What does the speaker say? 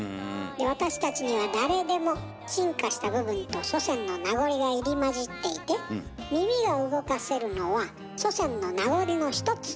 私たちには誰でも進化した部分と祖先の名残が入り交じっていて耳が動かせるのは祖先の名残の一つ。